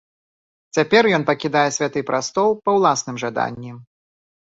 Цяпер ён пакідае святы прастол па ўласным жаданні.